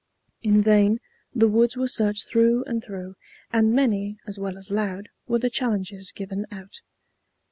In vain the woods were searched through and through, and many, as well as loud, were the challenges given out.